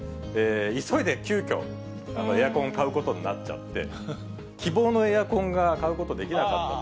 急いで急きょ、エアコンを買うことになっちゃって、希望のエアコンが買うことできなかったと。